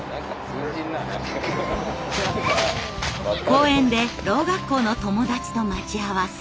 公園でろう学校の友達と待ち合わせ。